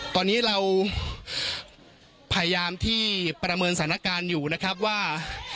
ตอนนี้เราพยายามที่ประเมินสถานการณ์อยู่นะครับว่า